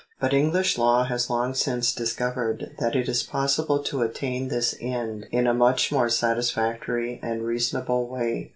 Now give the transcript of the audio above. But English law has long since discovered that it is possible to attain this end in a much more satisfactory and reasonable way.